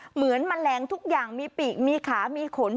เหมือนแมลงทุกอย่างมีปีกมีขามีขน